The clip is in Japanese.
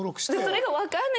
それがわからない。